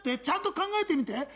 ちゃんと考えてみて。